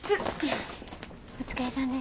お疲れさんです。